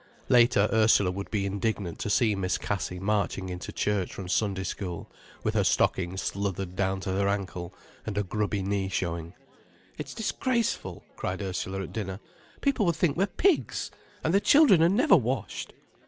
Later, Ursula would be indignant to see Miss Cassie marching into church from Sunday school with her stocking sluthered down to her ankle, and a grubby knee showing. "It's disgraceful!" cried Ursula at dinner. "People will think we're pigs, and the children are never washed."